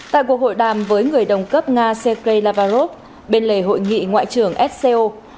tại cuộc hội đàm với người đồng cấp nga sergei lavarrov bên lề hội nghị ngoại trưởng sco